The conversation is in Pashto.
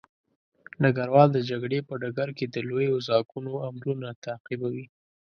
ډګروال د جګړې په ډګر کې د لويو ځواکونو امرونه تعقیبوي.